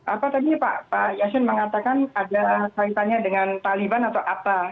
apa tadi pak yasin mengatakan ada kaitannya dengan taliban atau apa